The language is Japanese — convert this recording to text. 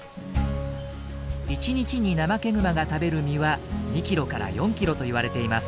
１日にナマケグマが食べる実は２キロから４キロと言われています。